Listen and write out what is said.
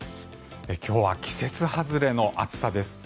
今日は季節外れの暑さです。